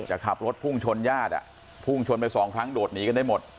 จะขับรถพุ่งชนญาติพุ่งชนไปสองครั้งโดดหนีกันได้หมด